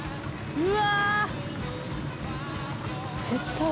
うわ！